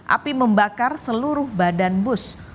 api membakar seluruh badan bus